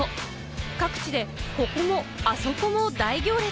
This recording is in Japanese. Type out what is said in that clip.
各地で、ここも、あそこも大行列。